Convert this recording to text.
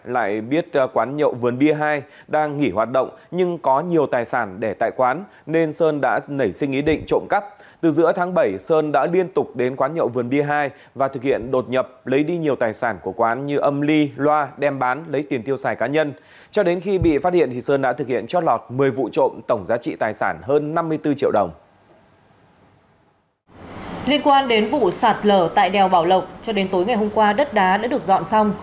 liên quan đến vụ sạt lở tại đèo bảo lộng cho đến tối ngày hôm qua đất đá đã được dọn xong